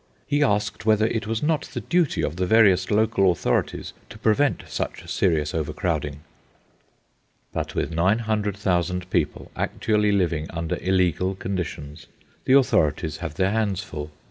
He asked whether it was not the duty of the various local authorities to prevent such serious overcrowding. But with 900,000 people actually living under illegal conditions, the authorities have their hands full.